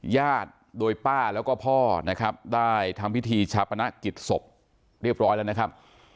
ญาติโดยป้าแล้วก็พ่อนะครับได้ทำพิธีชาปนกิจศพเรียบร้อยแล้วนะครับ